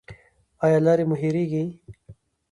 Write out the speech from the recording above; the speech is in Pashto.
ایا لارې مو هیریږي؟